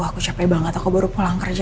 aku capek banget aku baru pulang kerja